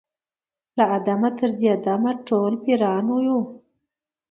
له آدمه تر دې دمه ټول پیران یو